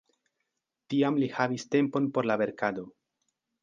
Tiam li havis tempon por la verkado.